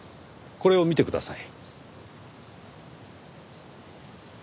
これを見てください。